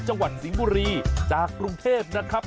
จังหวัดสิงห์บุรีจากกรุงเทพนะครับ